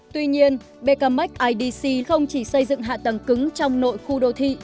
tuy nhiên bkmac idc không chỉ xây dựng hạ tầng cứng trong nội khu đô thị